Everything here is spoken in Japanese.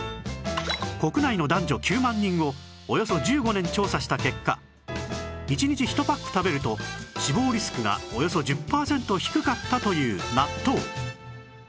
国内の男女９万人をおよそ１５年調査した結果１日１パック食べると死亡リスクがおよそ１０パーセント低かったという納豆